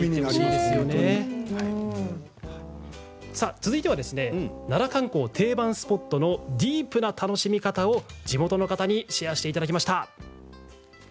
続いては奈良観光定番スポットのディープな楽しみ方を地元の方にシェアしていただきました。